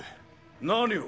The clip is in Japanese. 何を？